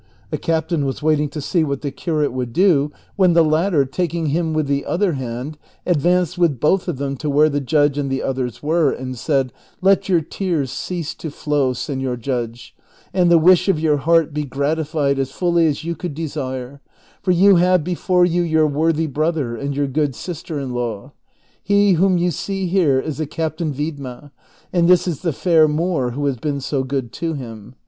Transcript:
The captain was waiting to see what the curate would do, when the latter, taking him with the other hand, advanced with both of them to where the judge and the others were, and said, " Let your tears cease to flow, senor judge, and the wish of your heart be gratified as fully as you could desire, for you have before you your worthy brother and your good sister in law. He whom you see here is the Captain Viednia, and this is the fair Moor who has been so good to him.